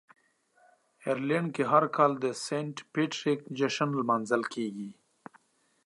آیرلنډ کې هر کال د "سینټ پیټریک" جشن لمانځل کیږي.